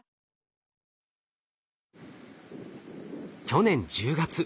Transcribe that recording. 去年１０月。